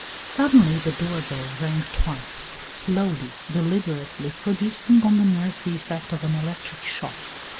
Suddenly the door bell rang twice; slowly, deliberately, producing on the nurse the effect of an electric shock.